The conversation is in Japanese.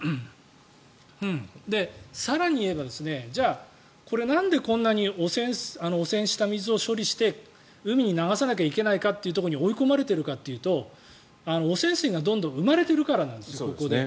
更に言えばじゃあ、これなんでこんなに汚染した水を処理して海に流さなきゃいけないところに追い込まれているからというと汚染水が生まれてるからなんです。